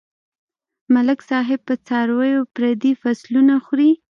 ملک صاحب په څارويو پردي فصلونه خوري.